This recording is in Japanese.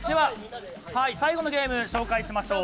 最後のゲーム紹介しましょう。